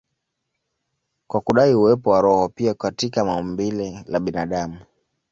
kwa kudai uwepo wa roho pia katika umbile la binadamu.